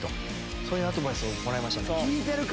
そういうアドバイスをもらいましたね。